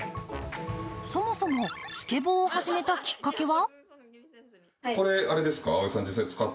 そもそもスケボーを始めたきっかけは？